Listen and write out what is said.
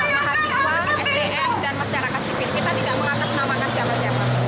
mereka menunjuk rasa mahasiswa dan pelajar tersebut